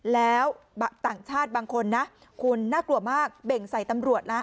แล้วต่างชาติบางคนนะคุณน่ากลัวมากเบ่งใส่ตำรวจแล้ว